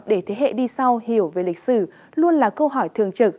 để thế hệ đi sau hiểu về lịch sử luôn là câu hỏi thường trực